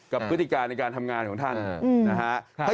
พฤติการในการทำงานของท่านนะฮะ